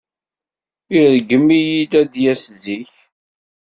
Iṛeggem-iyi ad d-yas zik.